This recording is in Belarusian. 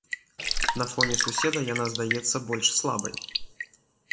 На фоне суседа яна здаецца больш слабай.